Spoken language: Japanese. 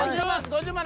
５０万